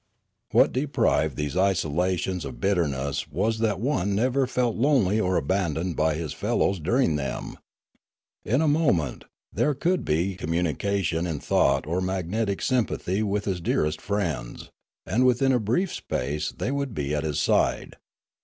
What deprived these isolations of bitterness was that Hermitry 47 one never felt lonely nor abandoned by his fellows dur ing them. In a moment, there could be communica tion in thought or magnetic sympathy with his dearest friends, and within a brief space they would be at his side.